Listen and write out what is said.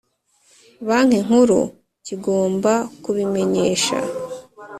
Banki nkuru kigomba kubimenyesha